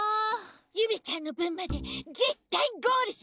ゆめちゃんのぶんまでぜったいゴールするから。